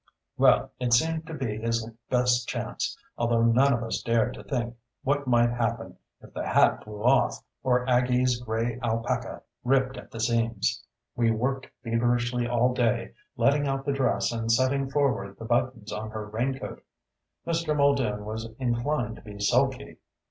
Well, it seemed to be his best chance, although none of us dared to think what might happen if the hat blew off or Aggie's gray alpaca ripped at the seams. We worked feverishly all day, letting out the dress and setting forward the buttons on her raincoat. Mr. Muldoon was inclined to be sulky.